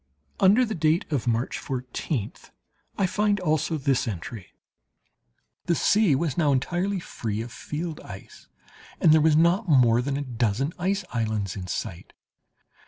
Under the date of March fourteenth I find also this entry. "The sea was now entirely free of field ice, and there were not more than a dozen ice islands in sight.